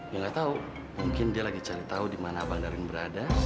dia nggak tahu mungkin dia lagi cari tahu di mana bang darwin berada